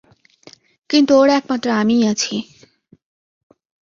কিন্তু ওর একমাত্র আমিই আছি।